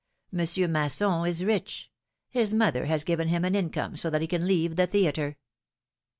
Monsieur Masson is rich ; his mother has given him an income so that he can leave the theatre.